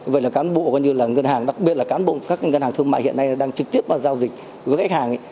vậy là cán bộ coi như là ngân hàng đặc biệt là cán bộ các ngân hàng thương mại hiện nay đang trực tiếp giao dịch với khách hàng